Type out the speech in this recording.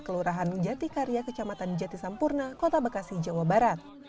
kelurahan jatikarya kecamatan jati sampurna kota bekasi jawa barat